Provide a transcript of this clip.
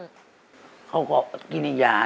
อเจมส์เขาก็กินไอ้ยานี่